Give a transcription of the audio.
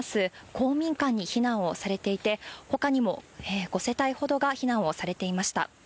公民館に避難をされていて、ほかにも５世帯ほどが避難をされていました。